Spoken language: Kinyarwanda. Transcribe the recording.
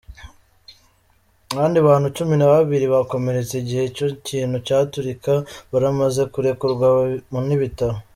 Abandi bantu cumi na babiri bakomeretse igihe ico kintu caturika, baramaze kurekurwa n'ibitaro.